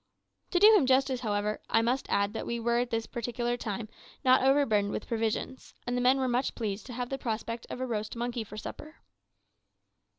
To do him justice, however, I must add that we were at this particular time not overburdened with provisions, and the men were much pleased to have the prospect of a roast monkey for supper.